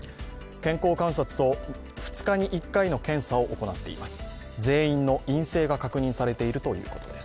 健康観察と２日に１回の検査を行っています。